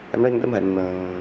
em lấy những tấm hình mà